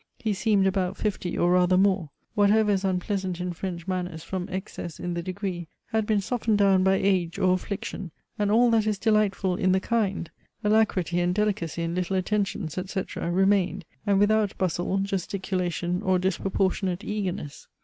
He seemed about fifty or rather more. Whatever is unpleasant in French manners from excess in the degree, had been softened down by age or affliction; and all that is delightful in the kind, alacrity and delicacy in little attentions, etc., remained, and without bustle, gesticulation, or disproportionate eagerness.